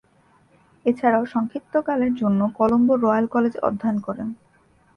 এছাড়াও সংক্ষিপ্তকালের জন্য কলম্বোর রয়্যাল কলেজে অধ্যয়ন করেন।